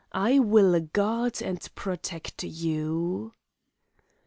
I will guard you and protect you.